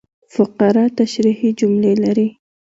فقره تشریحي جملې لري.